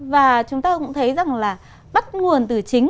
và chúng ta cũng thấy rằng là bắt nguồn từ chính